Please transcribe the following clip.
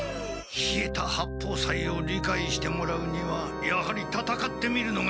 稗田八方斎をりかいしてもらうにはやはりたたかってみるのが一番！